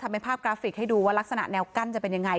เป็นภาพกราฟิกให้ดูว่ารักษณะแนวกั้นจะเป็นยังไง